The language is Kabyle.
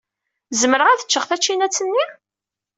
Zemreɣ ad ččeɣ tačinat-nni?